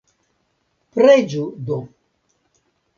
Preĝu do!